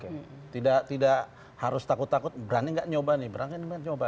kalau tidak harus takut takut berani enggak nyoba nih berani enggak nyoba